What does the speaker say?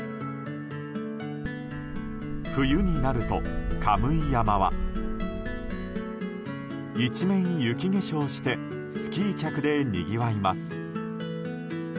冬になると神居山は一面雪化粧してスキー客でにぎわいます。